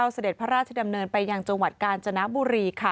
เสด็จพระราชดำเนินไปยังจังหวัดกาญจนบุรี